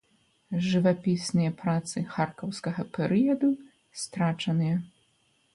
Жывапісныя працы харкаўскага перыяду страчаны.